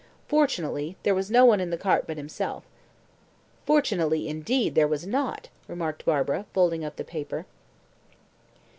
Fortunately, there was no one in the cart but himself." "Fortunately, indeed, there was not," remarked Barbara, folding up the paper.